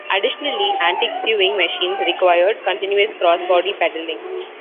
Additionally, antique sewing machines required continuous cross body pedaling.